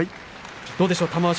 どうでしょうか。